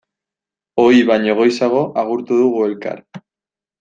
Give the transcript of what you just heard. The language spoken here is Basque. Ohi baino goizago agurtu dugu elkar.